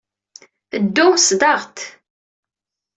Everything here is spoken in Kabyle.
Ddou s DaRt.